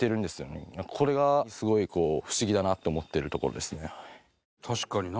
これがすごいふしぎだなと思ってるところですね。